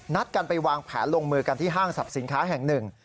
กันไปวางแผนลงมือกันที่ห้างสรรพสินค้าแห่งหนึ่ง